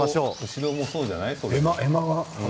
後ろもそうじゃない？